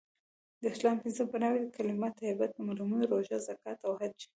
د اسلام پنځه بنأوي دي.کلمه طیبه.لمونځ.روژه.زکات.او حج